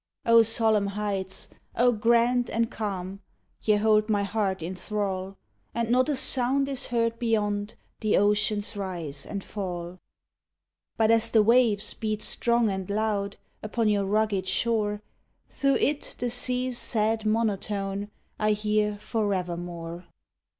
O solemn heights! O grand and calm! Ye hold my heart in thrall! And not a sound is heard beyond The ocean's rise and fall. But as the waves beat strong and loud Upon your rugged shore, Through it the sea's sad monotone I hear forevermore!